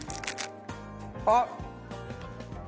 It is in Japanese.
あっ！